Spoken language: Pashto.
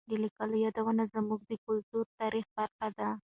د لیکوالو یادونه زموږ د کلتوري تاریخ برخه ده.